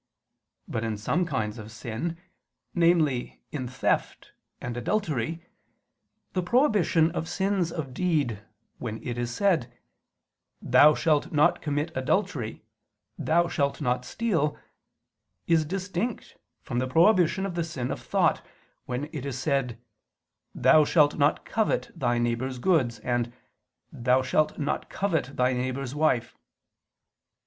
But in some kinds of sin, namely in theft and adultery, the prohibition of sins of deed, when it is said, "Thou shalt not commit adultery, Thou shalt not steal," is distinct from the prohibition of the sin of thought, when it is said, "Thou shalt not covet thy neighbor's goods," and, "Thou shalt not covet thy neighbor's wife."